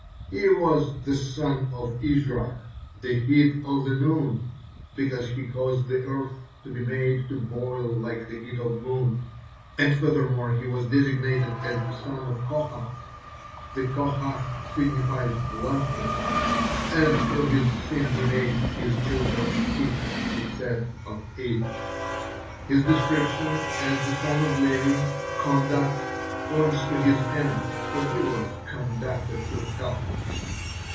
He was the son of Izhar, "the heat of the noon," because he caused the earth to be made to boil "like the heat of noon;" and furthermore he was designated as the son of Kohath, for Kohath signifies "bluntness," and through his sin he made "his children's teeth be set on edge." His description as the son of Levi, "conduct," points to his end, for he was conducted to hell.